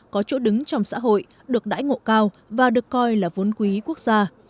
có chỗ đứng trong xã hội được đãi ngộ cao và được coi là vốn quý quốc gia